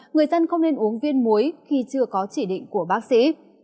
người dân không nên uống viên muối khi chưa có chỉ định của bác sĩ